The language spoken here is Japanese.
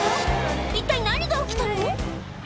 一体何が起きたの？